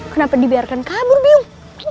kenapa dibiarkan kabur biung